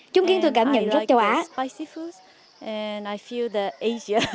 chúng khiến tôi cảm nhận rất châu á